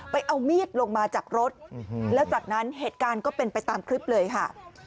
เอามีดลงมาจากรถแล้วจากนั้นเหตุการณ์ก็เป็นไปตามคลิปเลยค่ะ